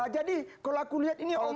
jadi kalau aku lihat ini omongannya